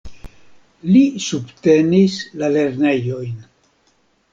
Li subtenis la lernejojn.